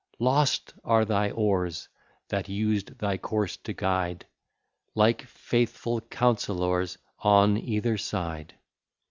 Lost are thy oars, that used thy course to guide, Like faithful counsellors, on either side.